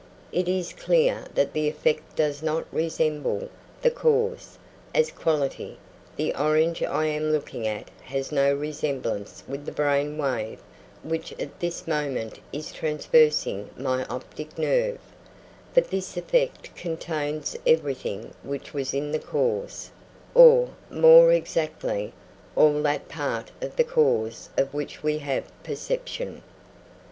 It is clear that the effect does not resemble the cause, as quality: the orange I am looking at has no resemblance with the brain wave which at this moment is traversing my optic nerve; but this effect contains everything which was in the cause, or, more exactly, all that part of the cause of which we have perception.